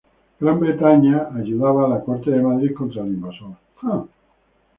Gran Bretaña ayudaba a la Corte de Madrid contra el invasor.